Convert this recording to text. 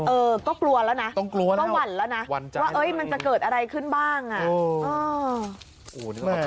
เออก็กลัวแล้วนะต้องกลัวแล้วต้องหวั่นแล้วนะว่าเอ๊ยมันจะเกิดอะไรขึ้นบ้างอ่ะ